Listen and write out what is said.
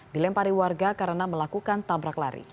dilempari warga karena melakukan tabrak lari